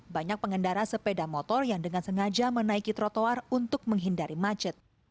banyak pengendara sepeda motor yang dengan sengaja menaiki trotoar untuk menghindari macet